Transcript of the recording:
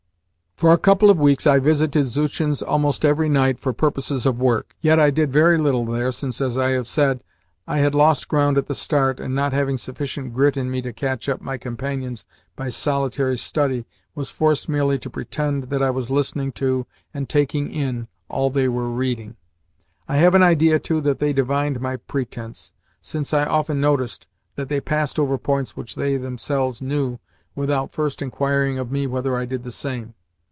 For a couple of weeks I visited Zuchin's almost every night for purposes of work. Yet I did very little there, since, as I have said, I had lost ground at the start, and, not having sufficient grit in me to catch up my companions by solitary study, was forced merely to PRETEND that I was listening to and taking in all they were reading. I have an idea, too, that they divined my pretence, since I often noticed that they passed over points which they themselves knew without first inquiring of me whether I did the same.